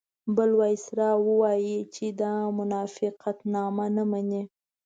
بل وایسرا ووایي چې دا موافقتنامه نه مني.